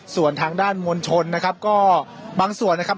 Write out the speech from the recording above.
ส่วนทางด้านมวลชนนะครับก็บางส่วนนะครับ